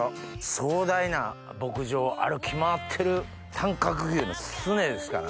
壮大な牧場を歩き回ってる短角牛のスネですからね。